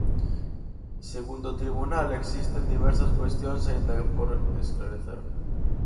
Segundo o tribunal existen diversas cuestións aínda por esclarecer.